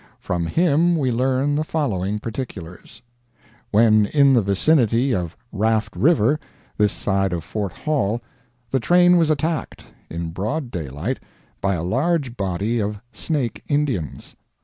From him we learn the following particulars: When in the vicinity of Raft river, this side of Fort Hall, the train was attacked, in broad daylight by a large body of Snake Indians.